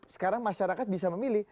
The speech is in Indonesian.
sekarang masyarakat bisa memilih